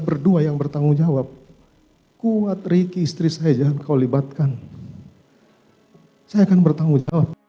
berdua yang bertanggung jawab kuat ricky istri saya jangan kau libatkan saya akan bertanggung jawab